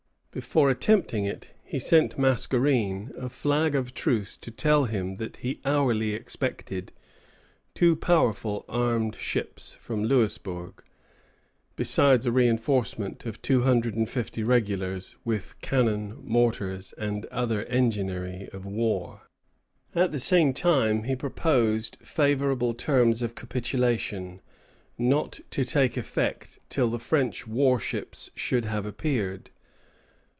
Before attempting it, he sent Mascarene a flag of truce to tell him that he hourly expected two powerful armed ships from Louisbourg, besides a reinforcement of two hundred and fifty regulars, with cannon, mortars, and other enginery of war. At the same time he proposed favorable terms of capitulation, not to take effect till the French war ships should have appeared.